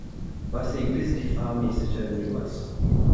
Bahasa Inggeris difahami secara meluas.